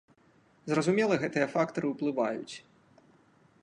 Зразумела, гэтыя фактары ўплываюць.